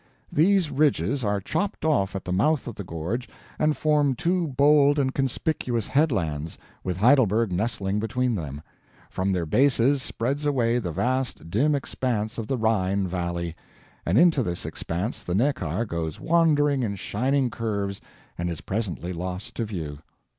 These ridges are chopped off at the mouth of the gorge and form two bold and conspicuous headlands, with Heidelberg nestling between them; from their bases spreads away the vast dim expanse of the Rhine valley, and into this expanse the Neckar goes wandering in shining curves and is presently lost to view.